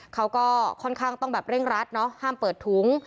เขาก็ค่อนข้างต้องแบบเร่งรัดเนอะห้ามเปิดถุง